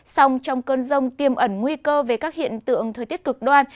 sông trong cơn rông tiêm ẩn nguy cơ về các hiện tượng thời tiết cực đoan